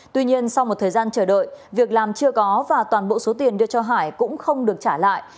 tuy nhiên sau một thời gian chờ đợi việc làm chưa có và toàn bộ số tiền đưa cho hải cũng không được trả lại